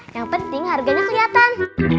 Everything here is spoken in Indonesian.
yang penting harganya kelihatan